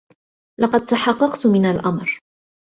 لقد تحققت من الامر